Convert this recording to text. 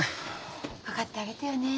分かってあげてよね。